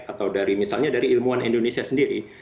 atau dari misalnya dari ilmuwan indonesia sendiri